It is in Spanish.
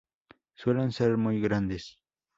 Suelen ser muy grandes.